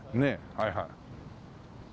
はいはい。